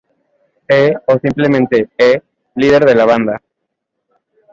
E o simplemente E, líder de la banda.